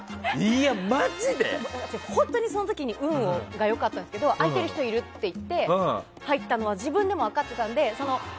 本当に、その時に運が良かったんですけど空いている人いる？ってなって入ったのが自分でも分かってたので。